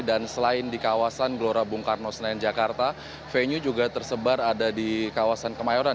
dan selain di kawasan gelora bung karno senayan jakarta venue juga tersebar ada di kawasan kemayosan